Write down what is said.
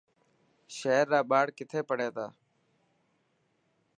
شهر را ٻاڙ کٿي پڙهي ٿا.